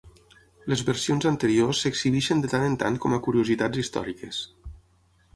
Les versions anteriors s'exhibeixen de tant en tant com a curiositats històriques.